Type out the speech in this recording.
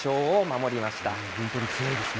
本当に強いですね。